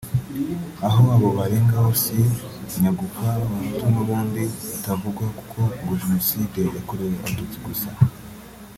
Aho abo barengaho si ba nyagupfa b’abahutu n’ubundi batavugwa kuko ngo Genocide yakorewe abatutsi gusa